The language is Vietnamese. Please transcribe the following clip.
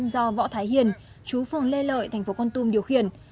do võ thái hiền chú phường lê lợi tp kon tum điều khiển